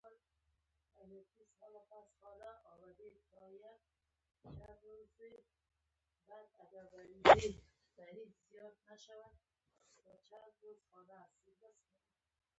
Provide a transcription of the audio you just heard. تاسو دلته د کومې موخې لپاره راغلي ياست؟